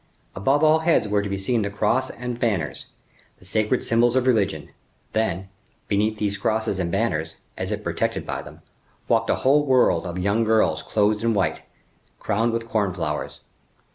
Above all heads were to be seen the cross and banners, the sacred symbols of religion. Then, beneath these crosses and banners, as if protected by them, walked a whole world of young girls clothed in white, crowned with corn flowers.